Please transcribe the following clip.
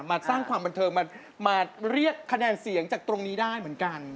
มาสร้างความบันเทิงมาเรียกคะแนนเสียงจากตรงนี้ได้เหมือนกัน